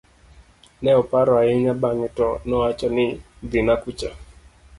ne oparo ahinya bang'e to nowacho ni dhina kucha